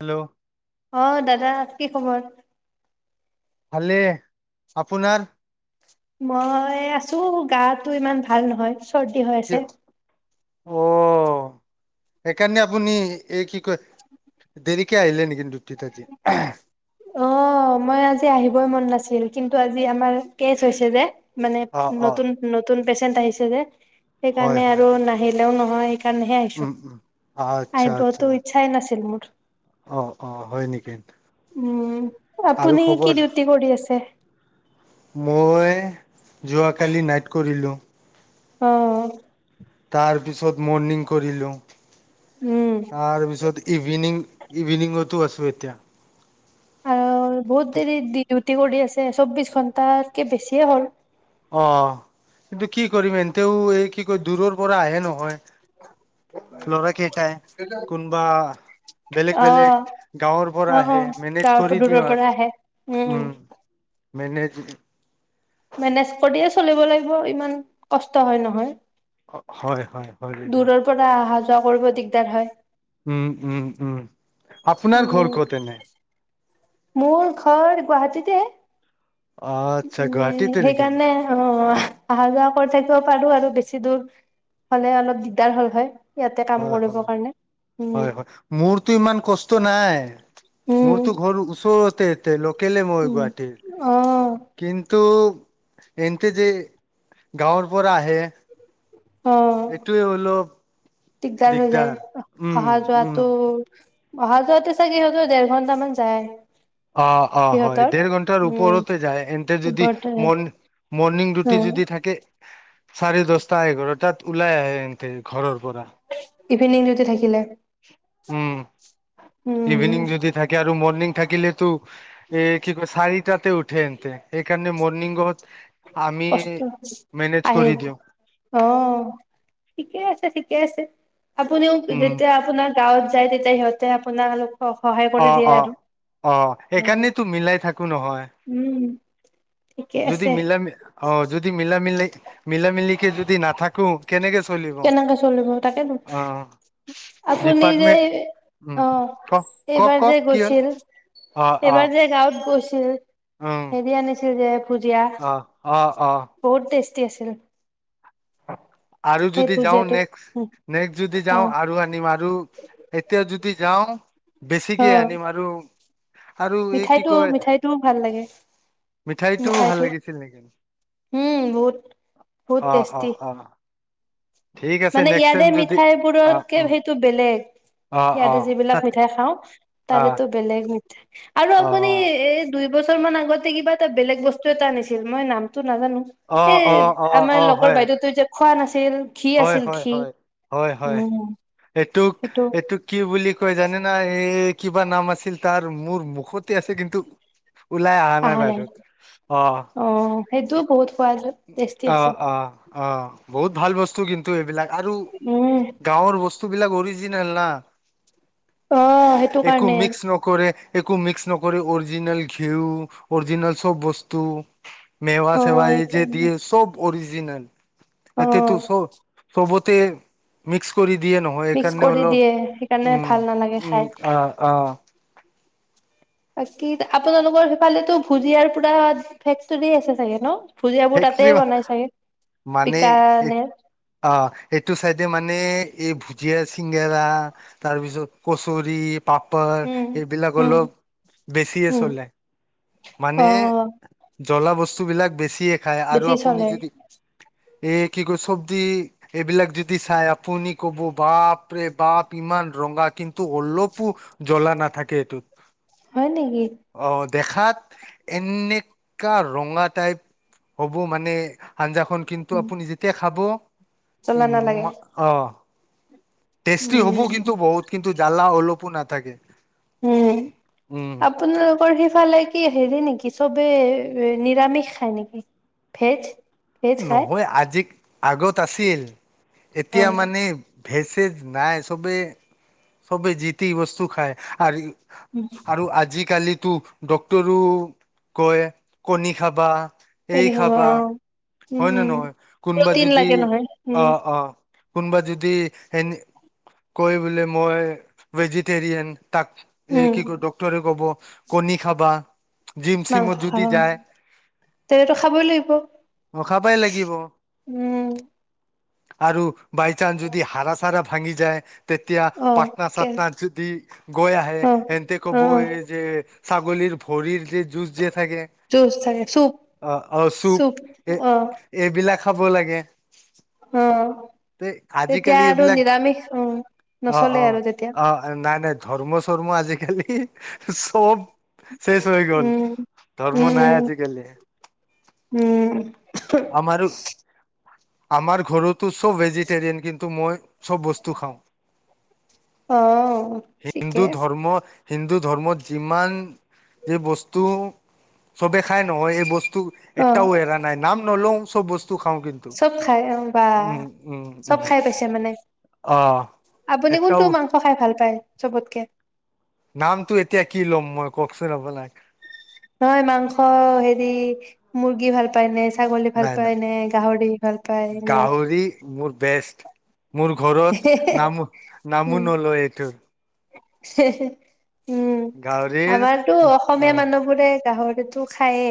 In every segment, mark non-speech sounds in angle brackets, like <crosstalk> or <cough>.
Hello অঁ দাদা কি খবৰ ভালে আপোনাৰ মই আছো গাতটো ইমান ভাল নহয় চৰ্দি হৈ আছে অঁ সেইকাৰণে আপুনি এই কি কয় দেৰিকে আহিলে কিন্তু অঁ মই আজি আহিবই মন নাছিল কিন্তু আজি আমাৰ কেচ হৈছে যে মানে অ অ নতুন নতুন পেচেণ্ট আহিছে যে হয় সেইকাৰণে হয় আৰু হয় নাহিলেও ন হয় উম উম আচ্ছা আচ্ছা ইচ্ছাই নাছিল মোৰ অ অ হয় নেকি উম আৰু আপুনি খবৰ কি ডিউটি কৰি আছে? মই যোৱাকালি নাইট কৰিলোঁ অঁ তাৰ পিছত মৰ্ণিং কৰিলো উম তাৰপিছত ইভিনিং ইভিনিঙতো আছোঁ এতিয়া আৰু বহুত দেৰি দিও টি কৰি আছে চৌব্বিশ ঘণ্টাতকে বেছিয়ে হ'ল অঁ কিন্তু কি কৰিম এনতেও এই কি কয় দূৰৰ পৰা আহে নহয় লৰা কেইটাই কোনোবা বেলেগ অ বেলেগ গাঁৱৰ অ পৰা অ আহে মেনেজ গাঁৱৰ কৰি দূৰৰ দিওঁ পৰা আহে আৰু উম মেনেজ মেনেজ কৰিয়ে চলিব লাগিব ইমান কষ্ট হয় নহয় হয় হয় হয় বাইদউ দূৰৰ পৰা অহা যোৱা কৰিব দিগদাৰ হয়। উম উম উম আপোনাৰ উম, ঘৰ ক'ত এনে মোৰ ঘৰ গুৱাহাটীতে আচ্ছা মানে গুৱাহাটীতে নেকি সেইকাৰণে অঁ অহা যোৱা কৰি থাকিব পাৰো আৰু বেছি দূৰ হলে অলপ দিগদাৰ হল হয় ইয়াতে কাম হয় কৰিবৰ হয় কাৰণে। উম, হয় হয় মোৰটো ইমান কষ্ট নাই উম, মোৰতো ঘৰ ওচৰতে লোকেলে মই উম, গুৱাহাটীৰ অ', কিন্তু এনকে যে গাঁৱৰ পৰা আহে অঁ এইটোৱে অলপ দিগদাৰ হৈ যায় উম অহা উম যোৱাটো অহা যোৱাতে চাগে ইহতৰ দেৰ ঘণ্টা মান যায় অঁ অঁ হয় সিহঁতৰ। দেৰ ঘন্টাৰ উম, ওপৰতে যায়, এন্ত যদি ওপৰতে ম মৰ্ণিং দিউটি অ' যদি থাকে চাৰে দহটা এঘাৰটাত ওলাই আহে এনকে ঘৰৰ পৰা ইভিনিং যদি থাকিলে উম ইভিনিং উম যদি থাকে আৰু মৰ্নিং থাকিলেতো এ কি কয় শাৰী তাতে উঠে ইহঁতে সেইকাৰণে মৰ্নিং ৱক কষ্ট আহ দিওঁ অঁ ঠিকে আছে। কে আছে আপুনিও উম যেতিয়া আপোনাৰ গাঁৱত যাই তেতিয়া সিহঁতে আপোনাক <inaudible> কৰি দিয়ে আৰু অ'-অ'-অ' সেইকাৰণেতো মিলাই থাকো নহয়, উম ঠিকে যদি আছে মিলা- মি অ' যদি মি-মিলা-মিলিকে যদি নাথাকো কেনেকে চলি কেনেকে চলিব। তাকেতো আপুনি যে ডিপাৰ্টমেন্ট উম অ' ক কওক এইবাৰ যে কওক কি হ'ল গৈছিল, অ অ এইবাৰ যে গাঁও উম <inaudible> হেৰি আনিছো। লেপ অ', -অ' অ বহুত টেষ্টি টি আছিল। আৰু সেই যদি যাও, ভুজিয়াটো নেক্স-নেক্স যদি অ যাও আৰু আনিম, আৰু এতিয়া যদি যাও বেছিকে আনিম আৰু আৰু এই মিঠাইতটো, মিঠাইটোও ভাল লাগে। মিঠাইতটো ভাল মিঠাইটো লাগিছিল নেকি? উম বহুত, বহুত অ অ টেষ্টি অ ঠিক আছে মানে নেক্সট ইয়াতে টাইম যদি অ মিঠাইবোৰতকে উম সেইটো বেলেগ। অ অ ইয়াতে তাত যিবিলাক মিঠাই খাওঁ। অ তাৰেতো বেলেগ মিঠাই আৰু অ আপুনি এই দুই বছৰ মান আগতে কিবা এটা বেলেগ বস্তু এটা আনিছিল, মই নামটো নাজানো অ এই অ অ আমাৰ লগৰ বাইদেউ তো যে খোৱা নাছিল। ঘি আছিল ঘি হয়-হয়-হয়-হয়-হয়। উম তোক সেইটো এইটোক কি বুলি কৈ জানি নাই এই কিবা নাম আছিল। তাৰ মোৰ মুখতে আছে কিন্তু ওলাই অহা নাই বাহিৰত অ' সেইটোও বহুত সোৱাদ টেষ্টি অ, আছিল অ, অ বহুত ভাল বস্তু কিন্তু এইবিলাক, আৰু উম গাঁৱৰ বস্তু বস্তুবিলাক অৰিজিনেল না অ সেইটো একো কাৰণে মিক্স নকৰে একো মিক্স নকৰি অৰিজিনেল ঘিউ, অৰিজিনেল চব বস্তু, মেৱ অ চেৱ এই যে, সেইকাৰণে চব অৰিজনেল অ এতিতো চ চবত। মিক্স কৰি দিয়ে নহয় মিক্স এইেইকাৰণে কৰি অলপ দিয়ে সেইকাৰণে উম ভাল নালাগে উম খাই অ অ বাকি আপোনালোকৰ সেইফালেতো ভুজিয়াৰ পুৰা ভে আছে চাগে ন? ভুজিয়াবোৰ তাতে বনাই চাগে মানে বিকানেৰ অঁ এইটো চাইডে মানে এই ভুজিয়াছিল গেৰা তাৰপিছত কচুৰী, পাপাৰ উম এইবিলাক হল উম বেছি উম চলে মানে! অ জল্লা বস্তুবিলাক বেছি খায় আৰু বেছি আপুনি চলে যদি এই কি ক চব্জদি এইবিলাক যদি চাই আপুনি কব বাপ ৰে বাপ ইমান ৰঙা কিন্তু অলপো জ্বলা নাথাকে এইটোত। হয় নেকি! অহ দেখাত এনেকুৱা ৰঙা টাইপ হ'ব মানে আঞ্জাখন কিন্তু উম, আপুনি যেতিয়া খাব ই চলা নালাগে অঁ টেষ্টি হ'ব উম কিন্তু বহুত কিন্তু জ্বালা অলপো না থাকে উম উম আপোনালোকৰ সেইফালে কি হেৰি নেকি চবে নিৰামিষ খায় নেকি ভেজ? ভেজ খায় নহয় আজি আগত আছিল এতিয়া মানে ভেষেজ নাই চবে চবে জতি বস্তু খায় আৰু আৰু আজিকালি ত ডক্তৰো কয় কণী খাবা ুন এই খাবা হয় ন নহয় কোনোবা যদি নহয় উম অঁ অঁ কোনোবা যদি এ কৈ বোলে মই ভেজিটৰিয়ান তাক এ উম কি ক ডক্টৰেট ক'ব কণী খাবা জিম মাংস চিমত খাব যদি যায় তেনেতো খাবই লাগিব মুখা পাই লাগিব উম আৰু বাই চান্স যদি হাৰা চাৰা ভাঙি যায় তেতিয়া অ পাটনা কে চাটনা যিদি গোয় আহ অ এন তে অ কবো যেে ছাগলীৰ ভৰিৰ যে জুচ যে থাকে জুচ থাকে চুপ অঁ অঁ চুপ এ এইবিলাক খাব লাগে অঁ তে তেতিয়া আজিকালি আৰু এইবিলাক নিৰামিষ অ অ অ নচলে আৰু তেতিয়া অ নাই নাই ধৰ্ম চৰ্মৰ্ম আজিকালি সব শেষ হৈ গল উম উম ধৰ্মৰ্ম নাই উম আজিকালি উম আমাৰ আমাৰ ঘৰতো চব ভেজিটেৰিয়ান কিন্তু মই চব বস্তু অ খাওঁ ঠিকে হিন্দু আছে ধৰ্ম হিন্দু ধৰ্মত যিমান য বস্তু চবে খায় নহয় এই বস্তু অ এটাও এৰা নাই নাম ব বস্ত চব খাই অ বা উম চব উম খাই পাইছে মানে অ আপুনি কোনটো এটাও মাংস খাই ভাল পায় চবতকে। নামটো এতিয়া কি ল'ম মই কওকচোন আপোনাক। নহয় মাংস হেৰি মুৰ্গী ভাল পাই ন। ছাগলী ভাল নাই পায় নাই নে গাহৰি ভাল পায় নে। গাহৰি মোৰ বেষ্ট মোৰ ঘৰত নামো নামনলয় এইটোৰ। হে হে। উম গাহৰিৰ আমাৰতো অ অসমীয়া মানুহবোৰে গাহৰি। সেইটো খায়ে।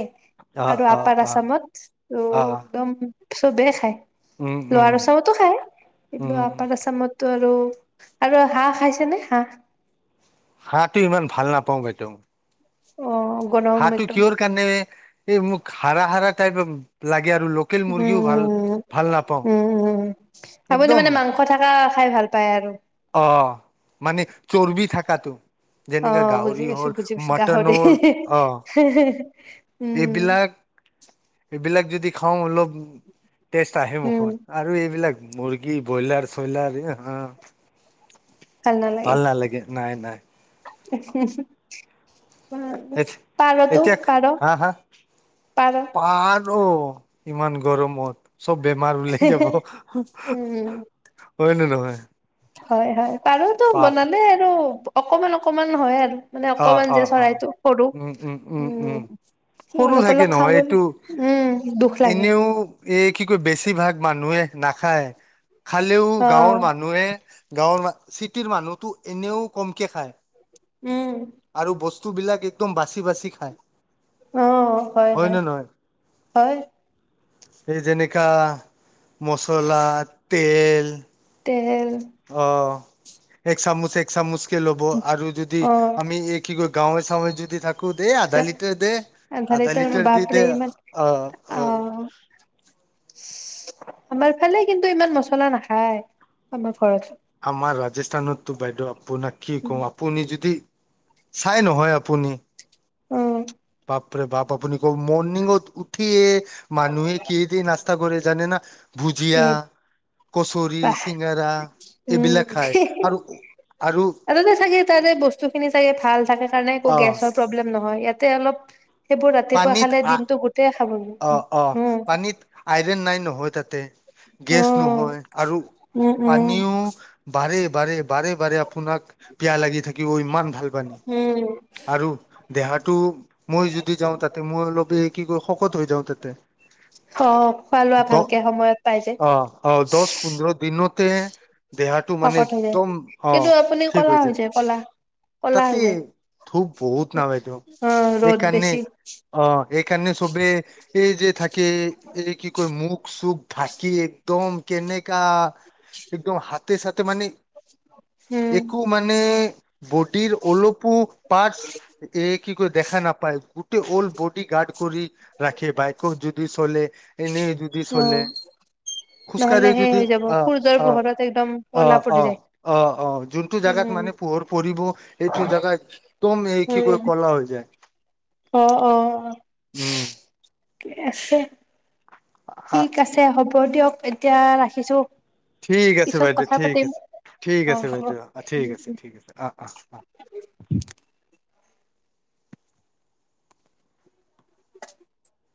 অ আৰু অ আপাৰ অ আছামত ত অ একদম। চব বে খায়। উম লোৱা উম ৰচাওতো খাই কিন্তু। উম আছামতটো আৰু আৰু হাঁহ খাইছে নে হাঁহ। হাঁহটো ইমান ভাল নাপাওঁ বাইদেউ। হয়। হাহঁ তটো কিয় কাৰনে। এই মোক হাৰ হাৰা টাইপ লাগে। আৰু লোকেল উম, মুৰ্গীও ভাল উম, ভাল নাপাওঁ উম আপুনি একদম মানে মাংস থকা। খাই ভাল পায় আৰু। অ মানে চৰ্বি থাকাতো অ যেনেকে বুজি গাহৰি পাইছো হ'ল বুজি পাইছো গাহৰি মটনৰ অ। উম এইবিলাক। এইবিলাক যদি খাওঁ অলপ। টেষ্ট আহে উম মুখত আৰু এইবিলাক মুৰ্গী। কি বইলাৰ চয়লাৰ হা। খাল নালাগে। ভাল নাই নাই পাৰ তো এতিয়া পাৰ হা হা পাৰ। অ ইমান গৰমত। চব বেমাৰ ওলাই যাব উ হয় নে নহয় হয় হয় পাৰতো পা বনালে আৰু। অকমান অকমান হয় আৰু। মানে অ', অকমান যে অ', অ', চৰাইটো সৰু উম সৰু অলপ থাকে অলপ খাব নহয় উম এইটো দুখ লাগে। এনেও এই কি কয় বেছিভাগ মানুহে নাখায়। খালিও অ গাঁওৰ মনুহে। গাঁৱৰ ম চিটিৰ মানুহতো এনেও কমকে খায়। উম আৰু বস্তু। বস্তুবিলাক একদম বাচি বাচি খায়। অ হয় হয় হয়। সেই যেনেকা মচলা তেজ উম। তেল আহ। এক চামুচ এক চামুচ খ ল'ব আৰু যদি অ আমি এই কি কয় গাঁৱে চাওয়ে যদি থাক দে আধা লিটাৰ দে আধা লিটাৰ দি দে অ অ আমাৰ ফালে কিন্তু ইমান মছলা নাখায়। আমাৰ ঘৰত আমাৰ ৰাজ ৰাজস্থানতো বাইদেউ আপোনাক কি উম কওঁ আপুনি যদি চাই নহয় আপুনি উম। বাপৰে বাপ আপুনি মৰ্নিংত উঠিয়ে মানুহে কিহে দি নাস্তা কৰে জানে না? ভুজিয়া, কচৰি, বাহ চিঙৰা এইবিলাক খায় উম আৰু আৰু চাগে তাৰে বস্তু খিনি চাগে ভাল থাকে। কাৰণে একো অ গ্ৰেচৰ প্ৰব্লেম নহয়। হয় ইয়াতে অলপ সেইবোৰ ৰাতিপুৱা পানীত খালে আ দিনতটো গোটেই খাব। উম অ অ উম পানীত আইৰন নাই নহয় তাত। তে। গেছ নহয় আৰু উম পানীও বাঢ় বাৰে বাৰে বাৰে আপোনাক পিয়াহ লাগি থাকিব ইমান ভাল পানী। উম আৰু দেহাটো মই যদি যাওঁ তাতে মই অলপ এই কি ক শকত হৈ যাওঁ তাতে। অ খোৱা লোৱা দ ভালকে সময়ত পাই যে অ অ দছ পোন্ধৰ দিনতে দেহাটো মানে শকত হৈ যায় একদম অ কিন্তু আপুনি কলা হৈ যায় কলা। কলা তাতে হৈ যায় ধূপ বহুত নাপাই তেওঁ অ ৰ'দ এইকাৰণনে, বেছি অ এইকাৰণে চবে এই যে থাকে এই কি কয় মুখ চুখ ঢাকি তম কেনেকা একদম হাতে চতে মানে উম একো মানে বটিৰ অলপু পাৰ্ট এ কি কৰি দেখা নাপায় গোটেই ল্ড বডি গাৰ্ড কৰি ৰাখে বাইক যদি চলে উ এনেই যদি চলে নহলে খোজকাঢ়ি সেই যদি হৈ যাব অ সূৰ্যৰ অ পোহৰত একদম অ কলা পৰি অ যায় অ অ যোনটো জোগাত উম মানে পোহৰ প়ব এইটো জাগা একদম এক কৰিৈ উম কলা হৈ যায় অ অ অ উম আছেয়‌ আ ঠিক আছে হ'ব ক দিয়ক এতিয়া ৰাখিছো ঠিক আছে পিছত বাইদেউ কথা ঠিক পাতিম আছে ঠিক অ আছে হ'ব বাইদউ উম ঠিক উম আছে ঠিক আছে অ অ অ <inaudible>